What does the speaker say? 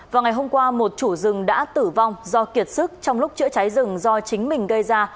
vào ngày hôm qua một chủ rừng đã tử vong do kiệt sức trong lúc chữa cháy rừng do chính mình gây ra